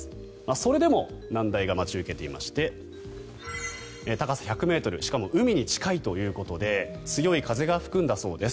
それでも難題が待ち受けていまして高さ１００ｍしかも海に近いということで強い風が吹くんだそうです。